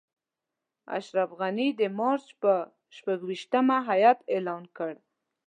اشرف غني د مارچ پر شپږویشتمه هیات اعلان کړ.